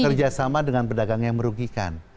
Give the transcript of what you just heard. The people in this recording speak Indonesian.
kerjasama dengan pedagang yang merugikan